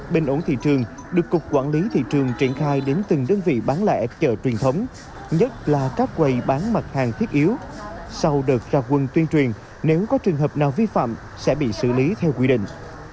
bình ổn thị trường được cục quản lý thị trường triển khai đến từng đơn vị bán lẻ chợ truyền thống nhất là các quầy bán mặt hàng thiết yếu sau đợt ra quân tuyên truyền nếu có trường hợp nào vi phạm sẽ bị xử lý theo quy định